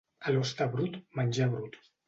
A l'hoste brut, menjar brut.